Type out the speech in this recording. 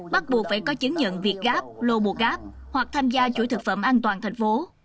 bắt buộc phải có chứng nhận việc gáp lô bù gáp hoặc tham gia chuỗi thực phẩm an toàn thành phố